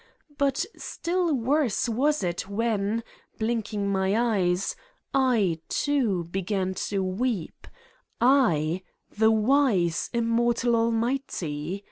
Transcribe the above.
But still worse was it when, blinking my eyes, I, too, began to weep, 237 Satan's Diary I, ' i the wise, immortal, almighty